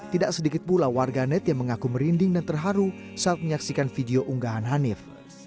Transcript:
tidak sedikit pula warganet yang mengaku merinding dan terharu saat menyaksikan video unggahan hanif